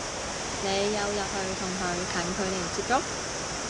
你有入去同佢近距離接觸？